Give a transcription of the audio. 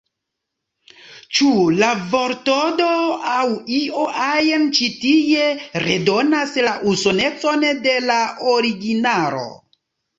Ĉu la vortordo aŭ io ajn ĉi tie redonas la usonecon de la originalo?